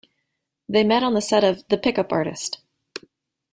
They met on the set of "The Pick-up Artist".